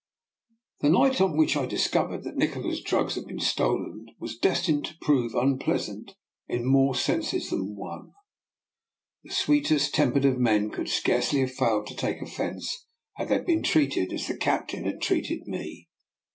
The night on which I discovered that Nikola's drugs had been stolen was destined to prove unpleasant in more senses than one. The sweetest tempered of men could scarcely have failed to take oflfence had they been treated as the captain had treated me.